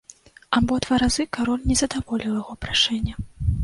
Абодва разы кароль не задаволіў яго прашэнне.